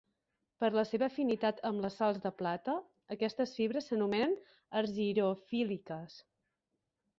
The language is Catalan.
Per la seva afinitat amb les sals de plata, aquestes fibres s'anomenen argirofíliques.